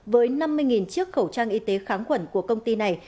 với năm mươi chiếc khẩu trang y tế kháng quẩn của công ty này